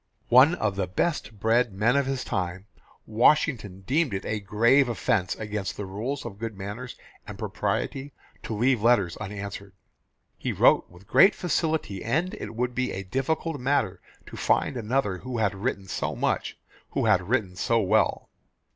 One of the best bred men of his time, Washington deemed it a grave offence against the rules of good manners and propriety to leave letters unanswered. He wrote with great facility, and it would be a difficult matter to find another who had written so much, who had written so well.